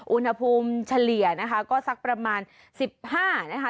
อุณหภูมิเฉลี่ยนะคะก็สักประมาณ๑๕นะคะ